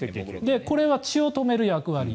これは血を止める役割。